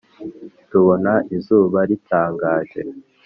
tubona izuba ritangaje